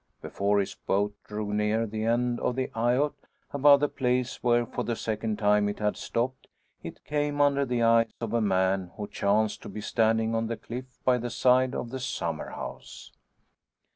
Before his boat drew near the end of the eyot, above the place where for the second time it had stopped, it came under the eye of a man who chanced to be standing on the cliff by the side of the summer house.